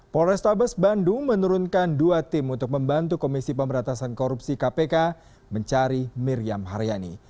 polrestabes bandung menurunkan dua tim untuk membantu komisi pemberantasan korupsi kpk mencari miriam haryani